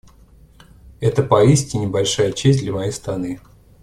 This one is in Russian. Это поистине большая честь для моей страны.